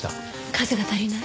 数が足りない。